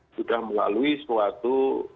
sudah melalui suatu